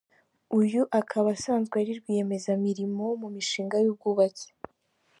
Uyu akaba asanzwe ari rwiyemezamirimo mu mishinga y’ubwubatsi.